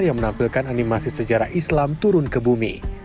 yang menampilkan animasi sejarah islam turun ke bumi